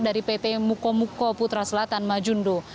dari pp mukomuko putra selatan majundo